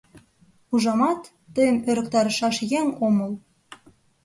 Ужамат, тыйым ӧрыктарышаш еҥ омыл.